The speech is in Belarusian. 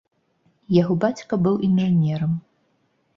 Яго бацька быў інжынерам.